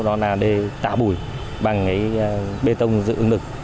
đó là đê tả bùi bằng cái bê tông dự ứng lực